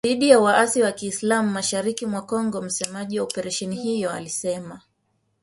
dhidi ya waasi wa kiislam mashariki mwa Kongo msemaji wa operesheni hiyo alisema